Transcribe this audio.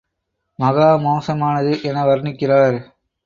மகா மோசமானது என வர்ணிக்கிறார்